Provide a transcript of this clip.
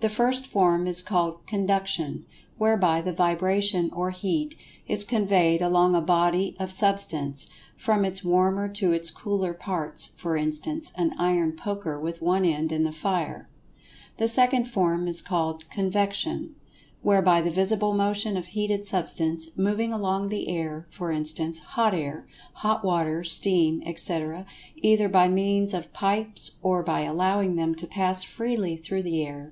The first form is called "Conduction," whereby the vibration, or Heat, is conveyed along a body of Substance, from its warmer to its cooler parts—for instance, an iron poker with one end in the fire. The second form is called "Convection," whereby the visible motion of heated Substance, moving along the air—for instance,[Pg 123] hot air, hot water, steam, etc., either by means of pipes, or by allowing them to pass freely through the air.